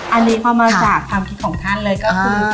อันนี้พอมาจากความคิดของท่านเลยก็คือ